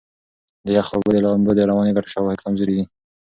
د یخو اوبو د لامبو د رواني ګټو شواهد کمزوري دي.